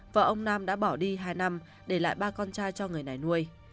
vợ ông nam đã bỏ đi hai năm để lại ba con trai cho người này nuôi